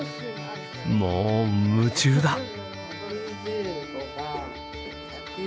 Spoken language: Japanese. もう夢中だ。